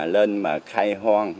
lên mà khai hoan